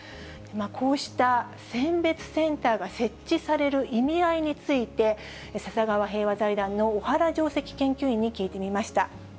こうした選別センターが設置される意味合いについて、笹川平和財団の小原上席研究員に聞いてみました。